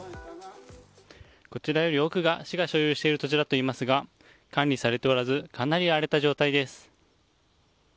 こちらより奥が市が所有している土地だといいますが管理されておらずかなり荒れた状態です。